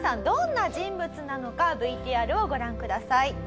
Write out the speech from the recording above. どんな人物なのかＶＴＲをご覧ください。